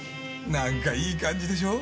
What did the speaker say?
なんかいい感じでしょ？